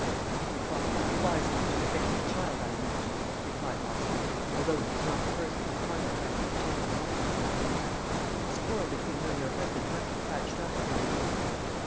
"Your father would be wise enough to defend his child, I imagine," replied Austin, "although he is not a person whose conduct I would pretend to answer for. But this quarrel between you and your husband must be patched up, Clary."